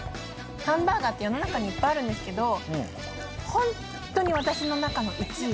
ハンバーガーって世の中にいっぱいあるんですけどホントに。